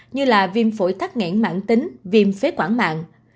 như là viêm phổi thắt nghẽn mạng tính viêm phế quảng mạng